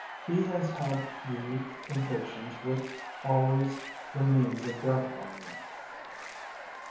He has had unique temptations with always the means of gratifying them."